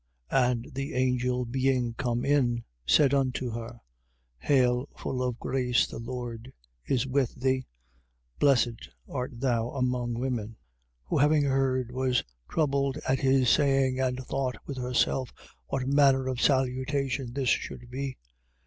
1:28. And the angel being come in, said unto her: Hail, full of grace, the Lord is with thee: blessed art thou among women. 1:29. Who having heard, was troubled at his saying and thought with herself what manner of salutation this should be.